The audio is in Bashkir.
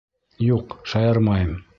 Юҡ, шаярмайым.